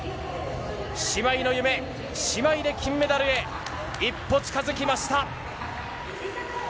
姉妹の夢、姉妹で金メダルへ、一歩近づきました。